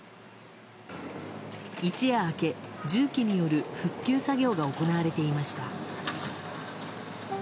一夜明け、重機による復旧作業が行われていました。